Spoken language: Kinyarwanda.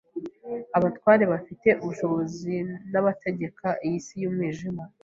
“abatware bafite ubushobozi n’abategeka iyi si y’umwijima,